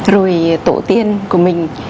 rồi tổ tiên của mình